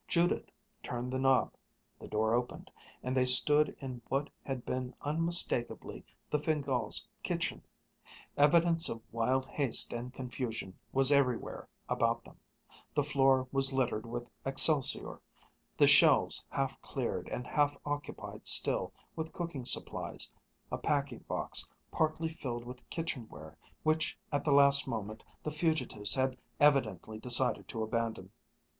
Judith turned the knob, the door opened, and they stood in what had been unmistakably the Fingáls' kitchen. Evidence of wild haste and confusion was everywhere about them the floor was littered with excelsior, the shelves half cleared and half occupied still with cooking supplies, a packing box partly filled with kitchenware which at the last moment the fugitives had evidently decided to abandon.